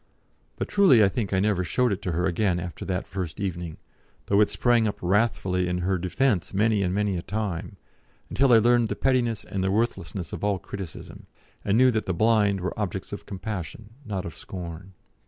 But truly I think I never showed it to her again after that first evening, though it sprang up wrathfully in her defence many and many a time, until I learned the pettiness and the worthlessness of all criticism, and knew that the blind were objects of compassion not of scorn.